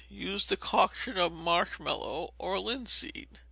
Use decoction of marsh mallow or linseed.